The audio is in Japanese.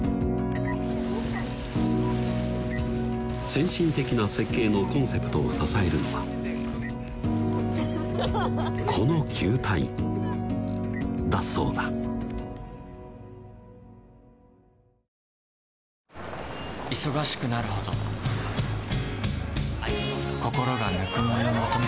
先進的な設計のコンセプトを支えるのはこの球体だそうだ忙しくなるほどはい！